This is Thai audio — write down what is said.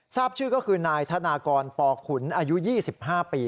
ทราบชื่อก็คือนายธนากรปขุนอายุ๒๕ปี